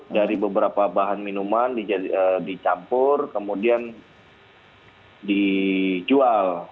dari beberapa bahan minuman dicampur kemudian dijual